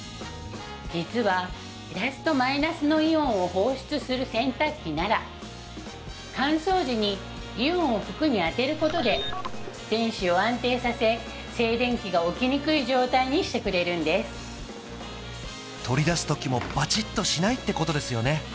実はプラスとマイナスのイオンを放出する洗濯機なら乾燥時にイオンを服に当てることで電子を安定させ静電気が起きにくい状態にしてくれるんです取り出すときもバチッとしないってことですよね